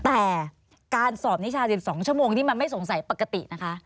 แต่การสอบนิชา๑๒ชั่วโมงนี้มันไม่สงสัยปกตินะคะ